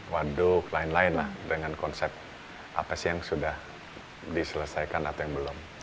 waduh lain lain lah dengan konsep apa sih yang sudah diselesaikan atau yang belum